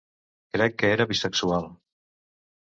Crec que era bisexual.